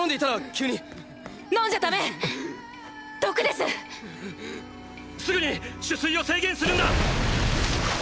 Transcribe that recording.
すぐに取水を制限するんだ！！